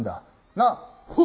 なっ？